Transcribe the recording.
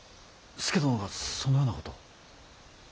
佐殿がそのようなことを。